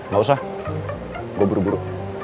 gak usah gue buru buru